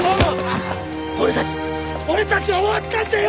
俺たち俺たちは終わったんだよ！